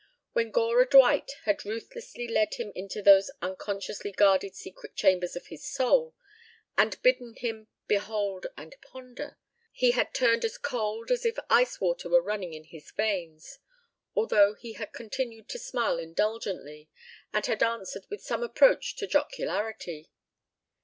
When Gora Dwight had ruthlessly led him into those unconsciously guarded secret chambers of his soul and bidden him behold and ponder, he had turned as cold as if ice water were running in his veins, although he had continued to smile indulgently and had answered with some approach to jocularity.